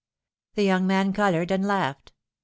' The young man coloured, and laughed.